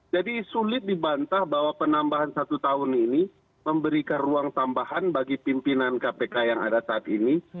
jadi sulit dibantah bahwa penambahan satu tahun ini memberikan ruang tambahan bagi pimpinan kpk yang ada saat ini